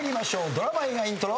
ドラマ・映画イントロ。